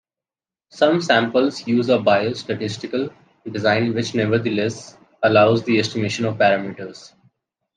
Some samples use a biased statistical design which nevertheless allows the estimation of parameters.